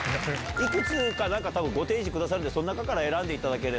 いくつかご提示くださるんでその中から選んでいただければ。